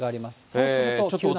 そうすると急な。